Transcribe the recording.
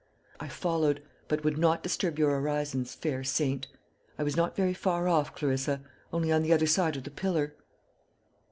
I followed, but would not disturb your orisons, fair saint. I was not very far off, Clarissa only on the other side of the pillar."